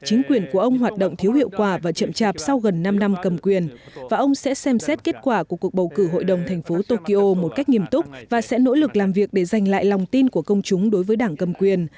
chính quyền của ông hoạt động thiếu hiệu quả và chậm chạp sau gần năm năm cầm quyền và ông sẽ xem xét kết quả của cuộc bầu cử hội đồng thành phố tokyo một cách nghiêm túc và sẽ nỗ lực làm việc để giành lại lòng tin của công chúng đối với đảng cầm quyền